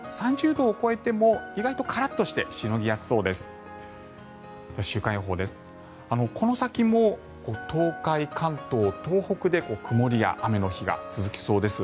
３０度を超えても意外とカラッとしてしのぎやすそうです。